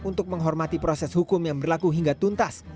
untuk menghormati proses hukum yang berlaku hingga tuntas